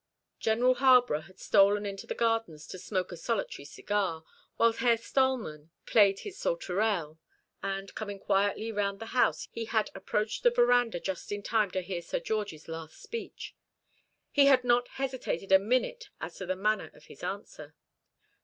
General Harborough had stolen into the gardens to smoke a solitary cigar, while Herr Stahlmann played his Sauterelle, and, coming quietly round the house, he had approached the verandah just in time to hear Sir George's last speech. He had not hesitated a minute as to the manner of his answer.